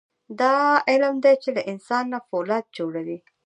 دا علم دی چې له انسان نه فولاد جوړوي.